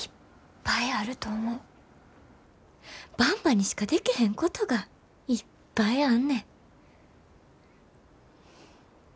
ばんばにしかでけへんことがいっぱいあんねん。